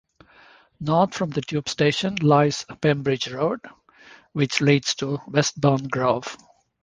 North from the tube station lies Pembridge Road, which leads to Westbourne Grove.